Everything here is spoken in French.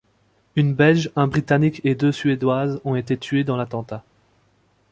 Une Belge, un Britannique et deux Suédoises ont été tués dans l'attentat.